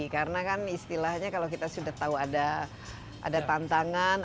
karena kan istilahnya kalau kita sudah tahu ada tantangan